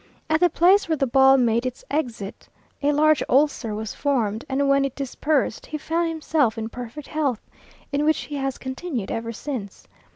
At the place where the ball made its exit, a large ulcer was formed, and when it dispersed he found himself in perfect health, in which he has continued ever since!